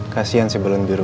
kasian si balon biru